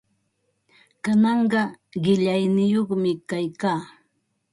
Kananqa qillayniyuqmi kaykaa.